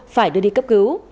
phải đưa đi cấp cứu